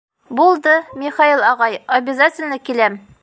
— Булды, Михаил ағай, обязательно киләм.